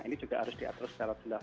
ini juga harus diatur secara jelas